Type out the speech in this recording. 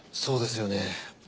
そうですよね。